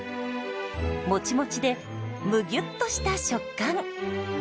もちもちでむぎゅっとした食感。